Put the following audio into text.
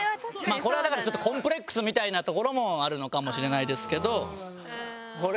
これはだからちょっとコンプレックスみたいなところもあるのかもしれないですけど。